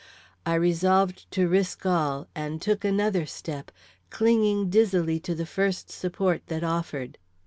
I resolved to risk all, and took another step, clinging dizzily to the first support that offered.